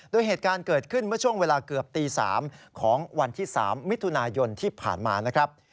โดยเหตุการณ์เกิดขึ้นเมื่อช่วงเวลาเกือบตี๓ของวันที่๓มิถุนายนที่ผ่านมานะครับ